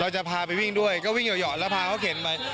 จะพาไปวิ่งด้วยก็วิ่งหยอดแล้วพาเขาเข็นไป